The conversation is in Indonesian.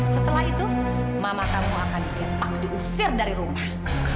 setelah itu mama kamu akan digempak diusir dari rumah